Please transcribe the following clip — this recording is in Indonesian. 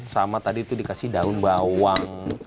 sama tadi itu dikasih daun bawang